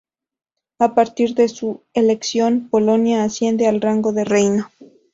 A partir de su elección, Polonia asciende al rango de reino.